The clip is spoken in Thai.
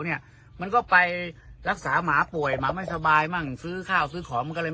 เนี่ยมันก็ไปรักษาหมาป่วยหมาไม่สบายมั่งซื้อข้าวซื้อของมันก็เลย